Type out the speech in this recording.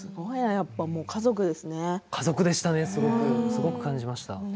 家族でしたね、すごく感じました。